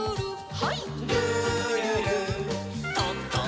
はい。